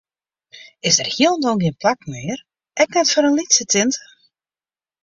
Is der hielendal gjin plak mear, ek net foar in lytse tinte?